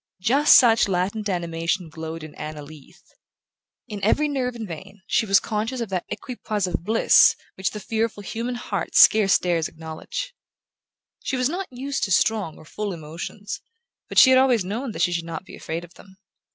Just such a latent animation glowed in Anna Leath. In every nerve and vein she was conscious of that equipoise of bliss which the fearful human heart scarce dares acknowledge. She was not used to strong or full emotions; but she had always known that she should not be afraid of them.